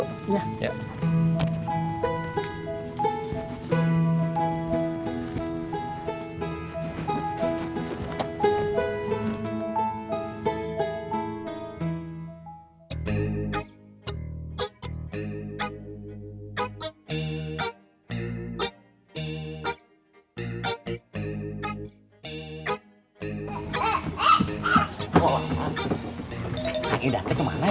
kang ida kemana ya